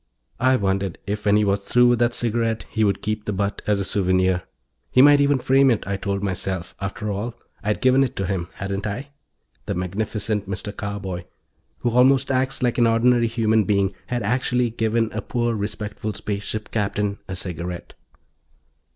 I wondered if, when he was through with the cigarette, he would keep the butt as a souvenir. He might even frame it, I told myself. After all, I'd given it to him, hadn't I? The magnificent Mr. Carboy, who almost acts like an ordinary human being, had actually given a poor, respectful spaceship Captain a cigarette.